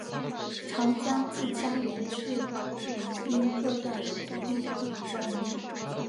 长江自江源至宜宾各段有独立的名称。